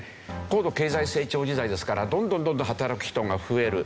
高度経済成長時代ですからどんどんどんどん働く人が増える。